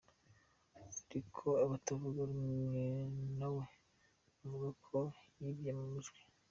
Ariko abatavuga rumwe nawe bavuga ko yibye amajwi.